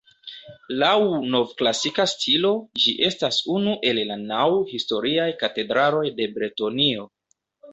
Laŭ novklasika stilo, ĝi estas unu el la naŭ historiaj katedraloj de Bretonio.